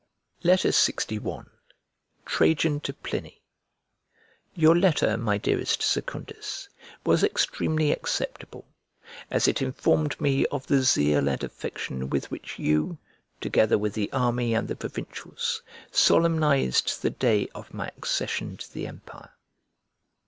LXI TRAJAN TO PLINY YOUR letter, my dearest Secundus, was extremely acceptable, as it informed me of the zeal and affection with which you, together with the army and the provincials, solemnised the day of my accession to the empire.